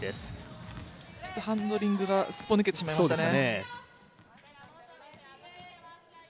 ハンドリングがすっぽ抜けてしまいましたね。